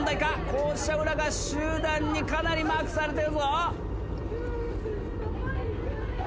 校舎裏が集団にかなりマークされてるぞ。